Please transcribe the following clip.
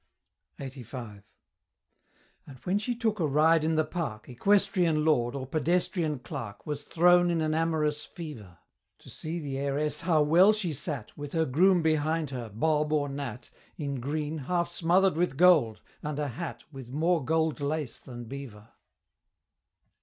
LXXXV. And when she took a ride in the Park, Equestrian Lord, or pedestrian Clerk, Was thrown in an amorous fever, To see the Heiress how well she sat, With her groom behind her, Bob or Nat, In green, half smother'd with gold, and a hat With more gold lace than beaver.